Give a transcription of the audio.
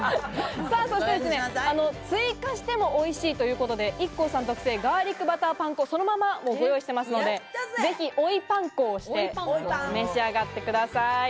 追加してもおいしいということで、ＩＫＫＯさん特製ガーリックバターパン粉、そのままご用意してますので、ぜひ追いパン粉をして召し上がってください。